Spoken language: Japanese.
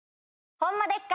ホンマでっか